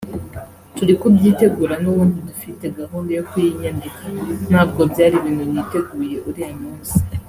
turi kubyitegura n’ubundi dufite gahunda yo kuyinyambika nabwo byari ibintu niteguye uriya munsi